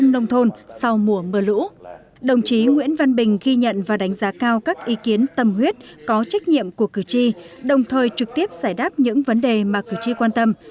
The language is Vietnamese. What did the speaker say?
đồng chí nguyễn văn bình ghi nhận và đánh giá cao các ý kiến tâm huyết có trách nhiệm của cử tri đồng thời trực tiếp giải đáp những vấn đề mà cử tri quan tâm